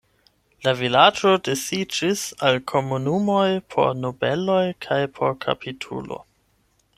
La vilaĝo disiĝis al komunumoj por nobeloj kaj por kapitulo.